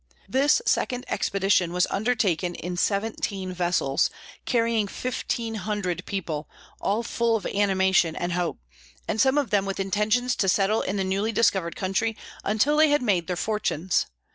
This second expedition was undertaken in seventeen vessels, carrying fifteen hundred people, all full of animation and hope, and some of them with intentions to settle in the newly discovered country until they had made their fortunes.